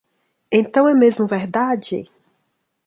Então é mesmo verdade!